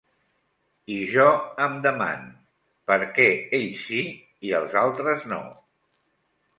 I jo em deman: per què ells sí i els altres no?